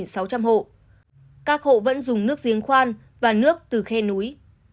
các hộ vẫn dùng nước giếng khoan và nước từ khe núi